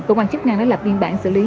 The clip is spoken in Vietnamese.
cơ quan chức năng đã lập biên bản xử lý